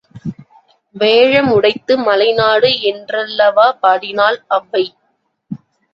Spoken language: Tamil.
வேழம் உடைத்து மலை நாடு என்றல்லவா பாடினாள் ஔவை.